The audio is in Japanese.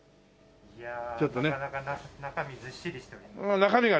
いやなかなか中身ずっしりしております。